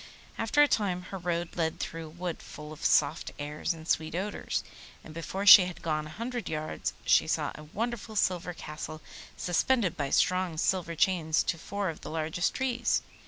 After a time her road led through a wood, full of soft airs and sweet odours, and before she had gone a hundred yards she saw a wonderful silver Castle suspended by strong silver chains to four of the largest trees.